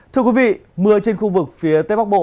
thưa quý vị mưa trên khu vực phía tây bắc bộ